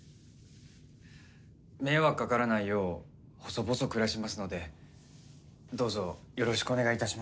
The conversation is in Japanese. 迷惑かからないよう細々暮らしますのでどうぞよろしくお願いいたします。